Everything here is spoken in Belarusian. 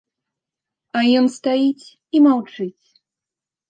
А ён стаіць і маўчыць.